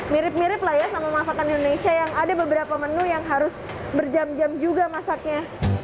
mirip mirip lah ya sama masakan indonesia yang ada beberapa menu yang harus berjam jam juga masaknya